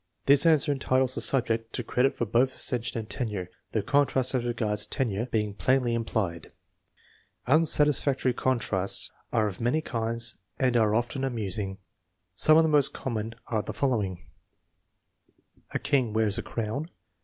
This answer entitles the subject to credit for both accession and tenure, the contrast as regards tenure being plainly implied. Unsatisfactory contrasts are of many kinds and are often amusing. Some of the most common are the following: "A king wears a crown."